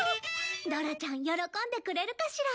ドラちゃん喜んでくれるかしら？